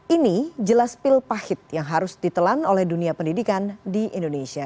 ini jelas pil pahit yang harus ditelan oleh dunia pendidikan di indonesia